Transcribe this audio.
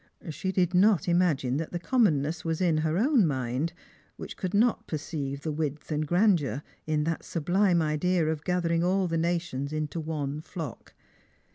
She did not imagine that the commonness was in her own mind, which could not perceive the width and gran deur in that sublime idea of gathering all the nations into one Hock.